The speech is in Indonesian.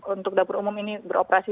untuk dapur umum ini beroperasi